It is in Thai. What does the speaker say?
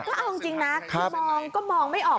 ก็เอาจริงนะคือมองก็มองไม่ออก